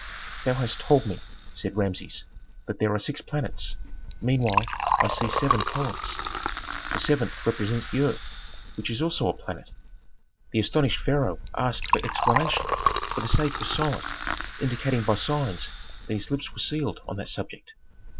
"Thou hast told me," said Rameses, "that there are six planets; meanwhile I see seven columns." "The seventh represents the earth, which is also a planet." The astonished pharaoh asked for explanation, but the sage was silent, indicating by signs that his lips were sealed on that subject.